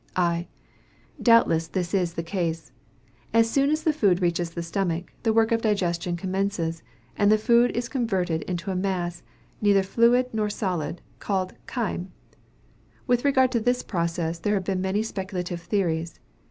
I. Doubtless this is the case. As soon as the food reaches the stomach, the work of digestion commences; and the food is converted to a mass, neither fluid or solid, called chyme. With regard to this process, there have been many speculative theories.